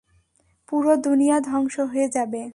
পুরো দুনিয়া ধ্বংস হয়ে যাবে?